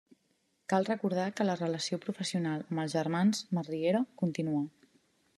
Cal recordar que la relació professional amb els germans Masriera continua.